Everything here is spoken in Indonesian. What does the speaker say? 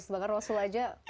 bahkan rasul saja